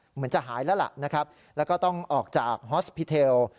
เหมือนจะหายแล้วล่ะนะครับแล้วก็ต้องออกจากฮอสพิเทล